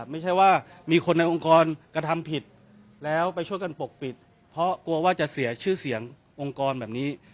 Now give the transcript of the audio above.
ไม่ใช่ว่ามีคนในองค์กรกระทำผิดแล้วไปช่วยกันปกปิดเพราะกลัวว่าจะเสียชื่อเสียงองค์กรแบบนี้